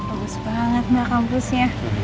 bagus banget nih kampusnya